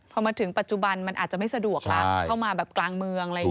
พอมาถึงปัจจุบันมันอาจจะไม่สะดวกแล้วเข้ามาแบบกลางเมืองอะไรอย่างนี้